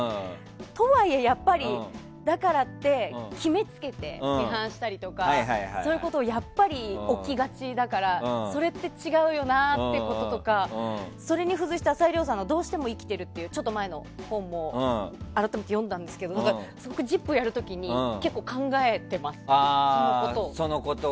とはいえ、だからって決めつけて批判したりとかそういうことはやっぱり起きがちだからそれって違うよなってこととかそれに付随して朝井リョウさんが「どうしても生きてる」というちょっと前の本も改めて読んだんですけどすごく「ＺＩＰ！」をやる時に結構考えてます、そのことを。